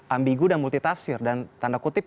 ambigu dan multitafsir dan tanda kutip